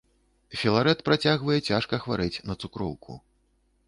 Філарэт працягвае цяжка хварэць на цукроўку.